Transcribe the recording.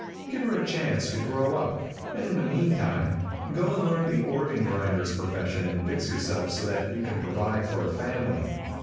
Give her a chance to grow up, and in the meantime, go and learn the organ grinder's profession and fix yourself so that you can provide for a family.